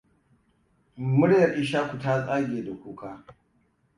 Muryar Ishaku ta tsage da kuka.